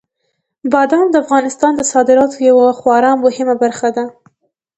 بادام د افغانستان د صادراتو یوه خورا مهمه برخه ده.